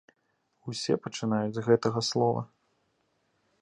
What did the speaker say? Усе пачынаюць з гэтага слова.